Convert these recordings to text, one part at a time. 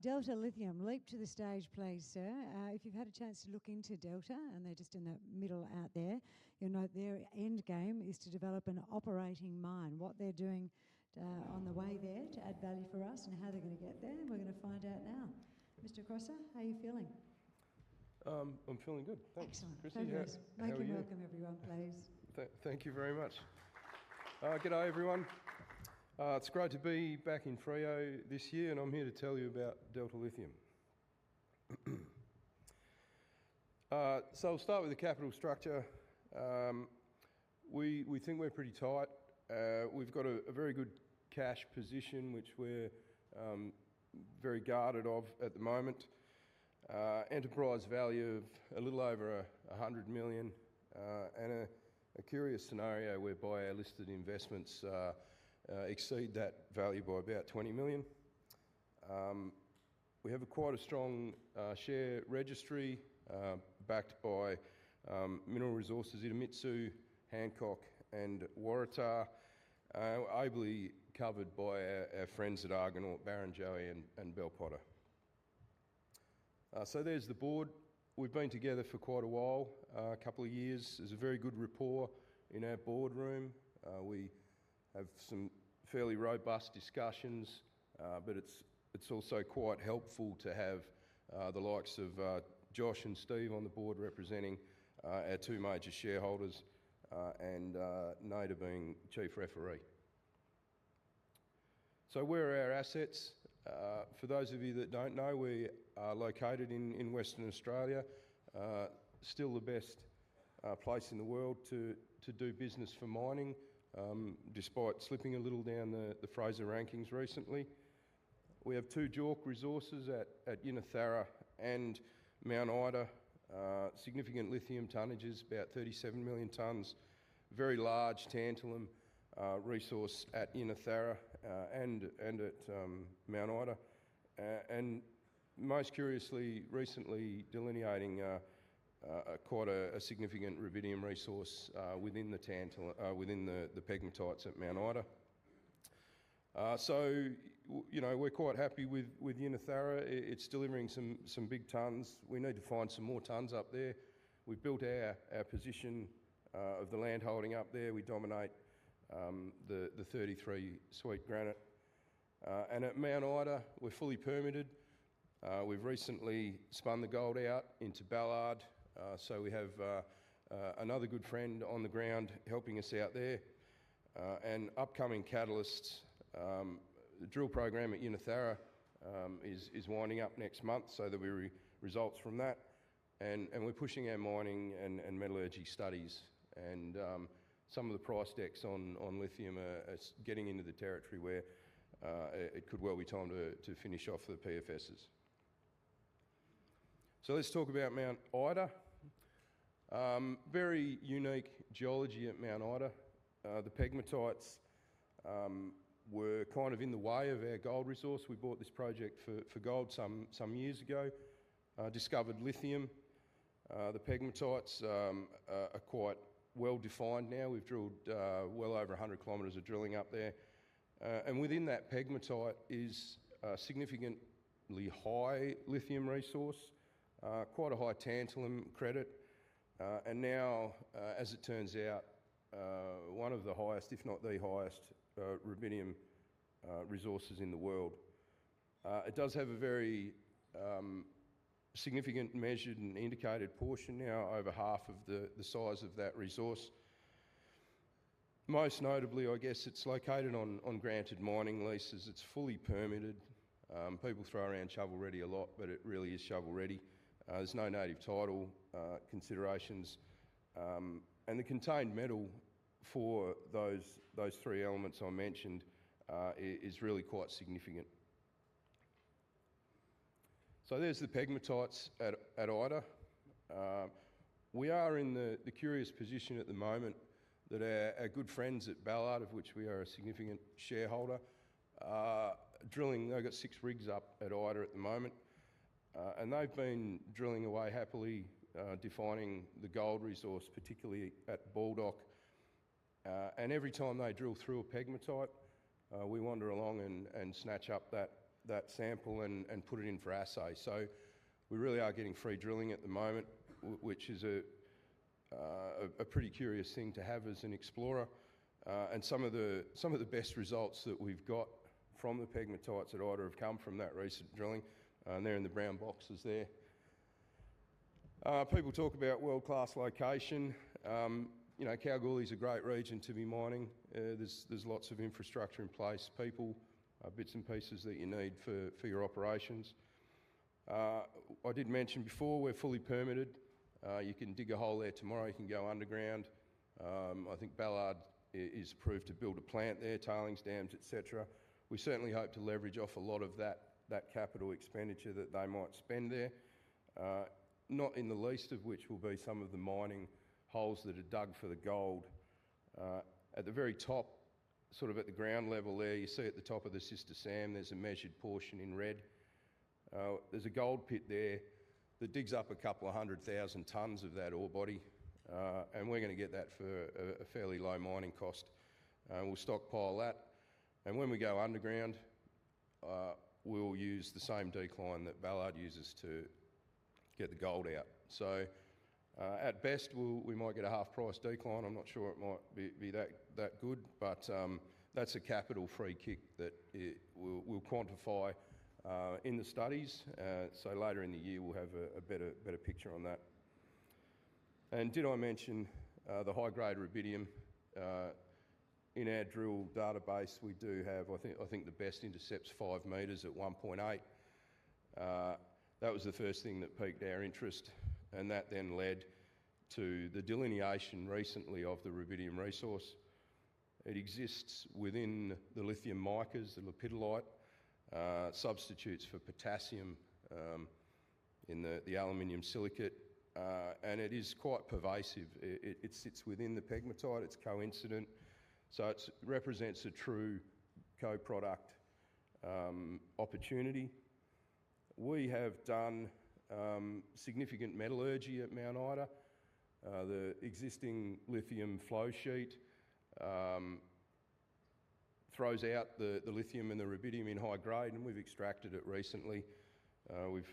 Delta Lithium, leap to the stage, please, sir. If you've had a chance to look into Delta, and they're just in the middle out there, you'll note their end game is to develop an operating mine. What they're doing on the way there to add value for us and how they're gonna get there, we're gonna find out now. Mr. Croser, how are you feeling? I'm feeling good. Thanks. Excellent. Chrissy, how- Welcome, welcome, everyone, please. Thank you very much. Good day, everyone. It's great to be back in Freo this year, and I'm here to tell you about Delta Lithium. So I'll start with the capital structure. We think we're pretty tight. We've got a very good cash position, which we're very guarded of at the moment. Enterprise value of a little over 100 million, and a curious scenario whereby our listed investments exceed that value by about 20 million. We have quite a strong share registry, backed by Mineral Resources, Idemitsu, Hancock, and Waratah. Ably covered by our friends at Argonaut, Barrenjoey, and Bell Potter. So there's the board. We've been together for quite a while, a couple of years. There's a very good rapport in our boardroom. We have some fairly robust discussions, but it's also quite helpful to have the likes of Josh and Steve on the board representing our two major shareholders, and Nada being chief referee. So where are our assets? For those of you that don't know, we are located in Western Australia. Still the best place in the world to do business for mining, despite slipping a little down the Fraser rankings recently. We have two JORC resources at Yinnetharra and Mount Ida. Significant lithium tonnage is about 37 million tons. Very large tantalum resource at Yinnetharra, and at Mount Ida. And most curiously, recently delineating quite a significant rubidium resource within the pegmatites at Mount Ida. So, you know, we're quite happy with Yinnetharra. It's delivering some big tons. We need to find some more tons up there. We've built our position of the land holding up there. We dominate the Thirty-Three Supersuite. And at Mount Ida, we're fully permitted. We've recently spun the gold out into Ballard, so we have another good friend on the ground helping us out there. And upcoming catalysts, the drill program at Yinnetharra is winding up next month, so there'll be results from that. And we're pushing our mining and metallurgy studies, and some of the price decks on lithium are getting into the territory where it could well be time to finish off the PFS's. So let's talk about Mount Ida. Very unique geology at Mount Ida. The pegmatites were kind of in the way of our gold resource. We bought this project for gold some years ago, discovered lithium. The pegmatites are quite well-defined now. We've drilled well over 100 kilometers of drilling up there. And within that pegmatite is a significantly high lithium resource, quite a high tantalum credit, and now, as it turns out, one of the highest, if not the highest, rubidium resources in the world. It does have a very significant Measured and Indicated portion now, over half of the size of that resource. Most notably, I guess, it's located on granted mining leases. It's fully permitted. People throw around shovel-ready a lot, but it really is shovel-ready. There's no native title considerations, and the contained metal for those three elements I mentioned is really quite significant. So there's the pegmatites at Ida. We are in the curious position at the moment that our good friends at Ballard, of which we are a significant shareholder, are drilling. They've got six rigs up at Ida at the moment, and they've been drilling away happily, defining the gold resource, particularly at Baldock. And every time they drill through a pegmatite, we wander along and snatch up that sample and put it in for assay. So we really are getting free drilling at the moment, which is a pretty curious thing to have as an explorer. And some of the best results that we've got from the pegmatites at Ida have come from that recent drilling, and they're in the brown boxes there. People talk about world-class location. You know, Kalgoorlie is a great region to be mining. There's lots of infrastructure in place, people, bits and pieces that you need for your operations. I did mention before, we're fully permitted. You can dig a hole there tomorrow, you can go underground. I think Ballard is approved to build a plant there, tailings dams, et cetera. We certainly hope to leverage off a lot of that capital expenditure that they might spend there, not in the least of which will be some of the mining holes that are dug for the gold. At the very top, sort of at the ground level there, you see at the top of the Sister Sam, there's a measured portion in red. There's a gold pit there that digs up 200,000 tons of that ore body, and we're gonna get that for a fairly low mining cost. We'll stockpile that, and when we go underground, we'll use the same decline that Ballard uses to get the gold out. At best, we might get a half-price decline. I'm not sure it might be that good, but that's a capital free kick that we'll quantify in the studies. Later in the year, we'll have a better picture on that. Did I mention the high-grade rubidium? In our drill database, we do have, I think, the best intercepts, 5 meters at 1.8. That was the first thing that piqued our interest, and that then led to the delineation recently of the rubidium resource. It exists within the lithium micas, the lepidolite, substitutes for potassium in the aluminum silicate, and it is quite pervasive. It sits within the pegmatite. It's coincident, so it represents a true co-product opportunity. We have done significant metallurgy at Mount Ida. The existing lithium flow sheet throws out the lithium and the rubidium in high grade, and we've extracted it recently.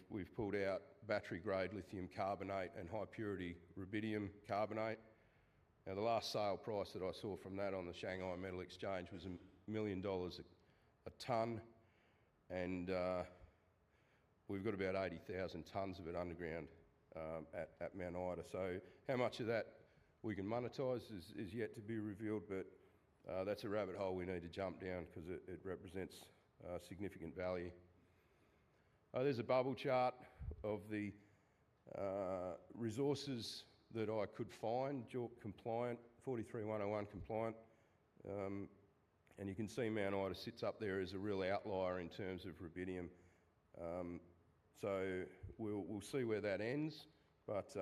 We've pulled out battery-grade lithium carbonate and high-purity rubidium carbonate. Now, the last sale price that I saw from that on the Shanghai Metal Exchange was $1 million a ton, and we've got about 80,000 tons of it underground at Mount Ida. So how much of that we can monetize is yet to be revealed, but that's a rabbit hole we need to jump down 'cause it represents significant value. There's a bubble chart of the resources that I could find, JORC compliant, 43-101 compliant. And you can see Mount Ida sits up there as a real outlier in terms of rubidium. So we'll see where that ends, but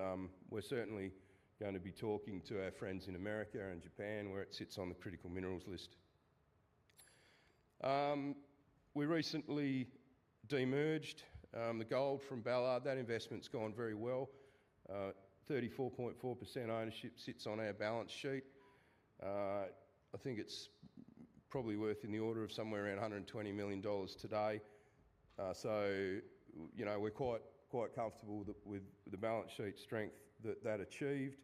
we're certainly going to be talking to our friends in America and Japan, where it sits on the critical minerals list. We recently de-merged the gold from Ballard. That investment's gone very well. 34.4% ownership sits on our balance sheet. I think it's probably worth in the order of somewhere around 120 million dollars today. So, you know, we're quite, quite comfortable with the, with the balance sheet strength that that achieved,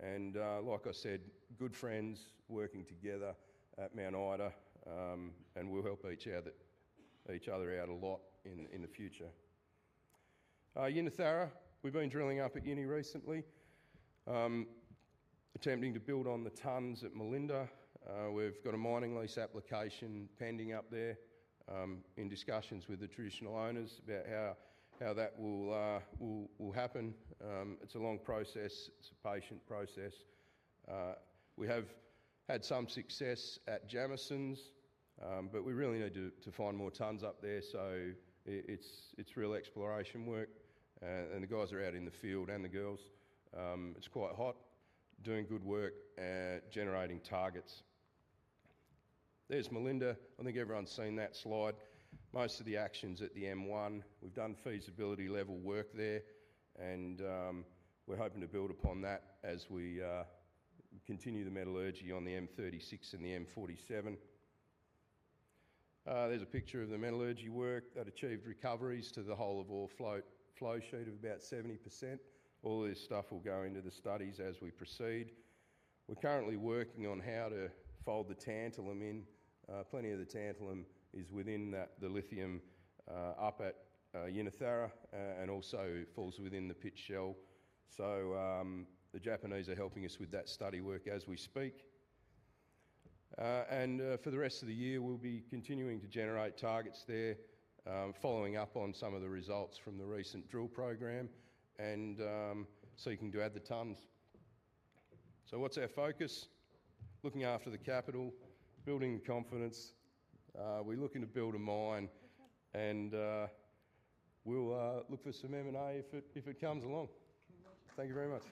and, like I said, good friends working together at Mount Ida, and we'll help each other, each other out a lot in, in the future. Yinnetharra, we've been drilling up at Yinnetharra recently, attempting to build on the tonnes at Malinda. We've got a mining lease application pending up there, in discussions with the traditional owners about how that will happen. It's a long process. It's a patient process. We have had some success at Jameson, but we really need to find more tonnes up there, so it's real exploration work, and the guys are out in the field, and the girls. It's quite hot, doing good work and generating targets. There's Malinda. I think everyone's seen that slide. Most of the action's at the M1. We've done feasibility level work there, and we're hoping to build upon that as we continue the metallurgy on the M36 and the M47. There's a picture of the metallurgy work that achieved recoveries to the whole of ore flow sheet of about 70%. All this stuff will go into the studies as we proceed. We're currently working on how to fold the tantalum in. Plenty of the tantalum is within the, the lithium, up at Yinnetharra, and also falls within the pit shell. So, the Japanese are helping us with that study work as we speak. And, for the rest of the year, we'll be continuing to generate targets there, following up on some of the results from the recent drill program and, seeking to add the tons. So what's our focus? Looking after the capital, building confidence. We're looking to build a mine, and, we'll look for some M and A if it, if it comes along. Thank you very much.